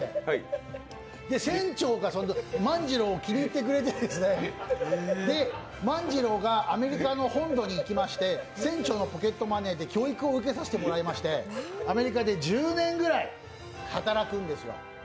船長が万次郎を気に入ってくれて、万次郎がアメリカの本土に行きまして船長のポケットマネーで教育を受けさせてもらいましてアメリカで１０年ぐらい働くんですよ